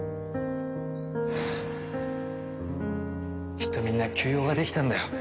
きっとみんな急用ができたんだよ。